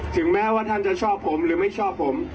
ถึงแม้ว่าท่านจะชอบผมหรือไม่ชอบผม